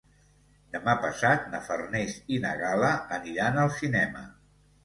Demà passat na Farners i na Gal·la aniran al cinema.